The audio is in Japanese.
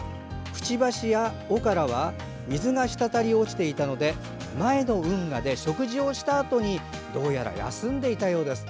くちばしや尾からは水が滴り落ちていたので前の運河で食事をしたあとにどうやら休んでいたようです。